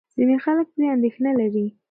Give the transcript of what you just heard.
ځینې خلک پرې اندېښنه لري.